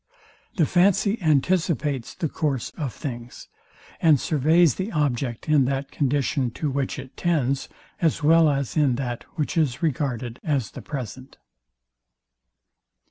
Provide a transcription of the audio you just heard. The fancy anticipates the course of things, and surveys the object in that condition, to which it tends, as well as in that, which is regarded as the present.